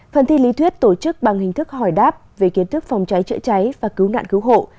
phần thi lý thuyết tổ chức bằng hình thức hỏi đáp về kiến thức phòng cháy chữa cháy và cứu nạn cứu hộ